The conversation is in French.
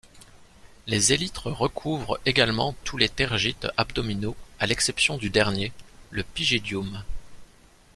Les élytres recouvrent également tous les tergites abdominaux à l’exception du dernier, le pygidium.